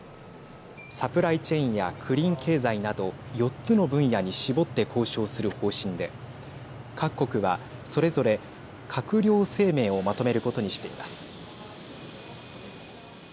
サプライチェーンやクリーン経済など４つの分野に絞って交渉する方針で各国は、それぞれ閣僚声明をまとめることにしています。